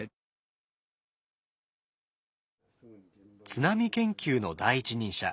津波研究の第一人者